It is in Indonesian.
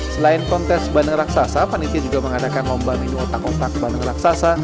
selain kontes bandeng raksasa panitia juga mengadakan lomba minum otak otak bandeng raksasa